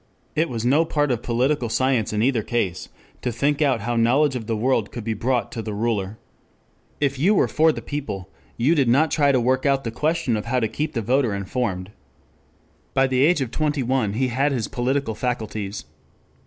It was no part of political science in either case to think out how knowledge of the world could be brought to the ruler. If you were for the people you did not try to work out the question of how to keep the voter informed. By the age of twenty one he had his political faculties.